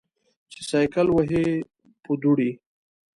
چې سایکل وهې په دوړې.